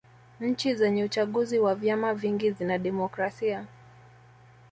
nchi zenye uchaguzi wa vyama vingi zina demokrasia